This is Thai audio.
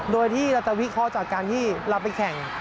โดยที่เราจะวิเคราะห์จากการที่เราไปแข่ง